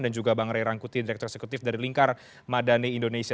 dan juga bang ray rangkuti direktur eksekutif dari lingkar madani indonesia